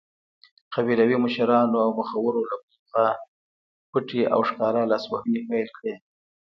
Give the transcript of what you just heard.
قبیلوي مشرانو او مخورو له بلې خوا پټې او ښکاره لاسوهنې پیل کړې.